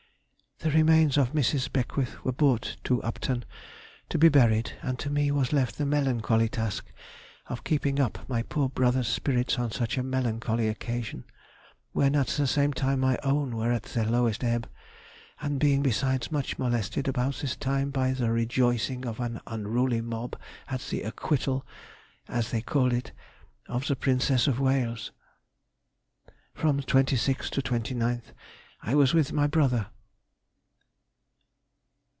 _—The remains of Mrs. Beckwith were brought to Upton to be buried, and to me was left the melancholy task of keeping up my poor brother's spirits on such a melancholy occasion, when at the same time my own were at their lowest ebb, and being besides much molested about this time by the rejoicing of an unruly mob at the acquittal (as they called it) of the Princess of Wales. From the 26th to 29th I was with my brother.